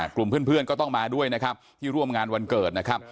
กลุ่มเพื่อนก็ต้องมาด้วยนะครับที่ร่วมงานวันเกิดนะครับ